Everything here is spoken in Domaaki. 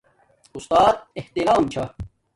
استات احترام چھا